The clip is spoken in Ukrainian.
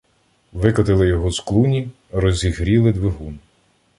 Викотили його з клуні, розігріли двигун.